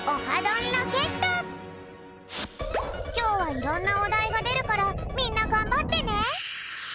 きょうはいろんなおだいがでるからみんながんばってね。